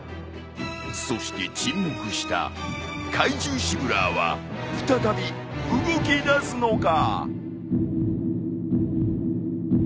そして沈黙した怪獣シブラーは再び動きだすのか！？